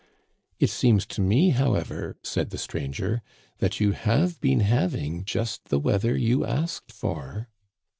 It seems to me, however/ said the stranger, * that you have been having just the weather you asked for.'